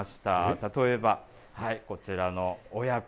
例えばこちらの親子。